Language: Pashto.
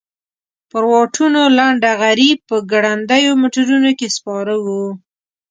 پر واټونو لنډه غري په ګړندیو موټرونو کې سپاره وو.